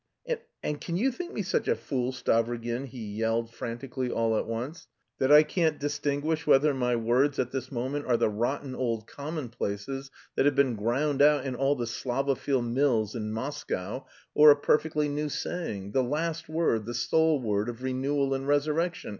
and can you think me such a fool, Stavrogin," he yelled frantically all at once, "that I can't distinguish whether my words at this moment are the rotten old commonplaces that have been ground out in all the Slavophil mills in Moscow, or a perfectly new saying, the last word, the sole word of renewal and resurrection, and...